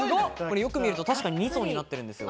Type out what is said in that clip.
よく見ると、確かに２層になっているんですよ。